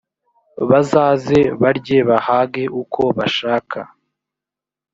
bazaze barye bahage uko bashaka,